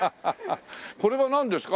これはなんですか？